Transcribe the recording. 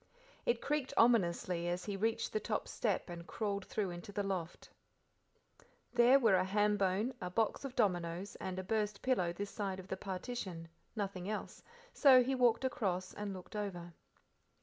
It creaked ominously as he reached the top step and crawled through into the loft. There were a ham bone, a box of dominoes, and a burst pillow this side of the partition, nothing else, so he walked across and looked over.